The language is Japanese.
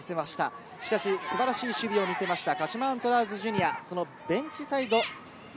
素晴らしい守備を見せました、鹿島アントラーズジュニア。